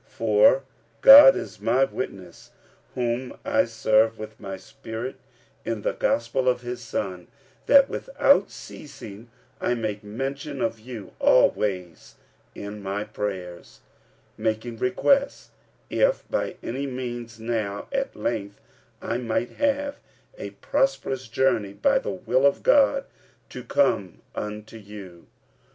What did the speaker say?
45:001:009 For God is my witness, whom I serve with my spirit in the gospel of his Son, that without ceasing I make mention of you always in my prayers; 45:001:010 Making request, if by any means now at length I might have a prosperous journey by the will of God to come unto you.